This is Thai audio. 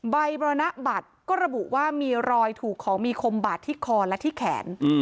บรรณบัตรก็ระบุว่ามีรอยถูกของมีคมบาดที่คอและที่แขน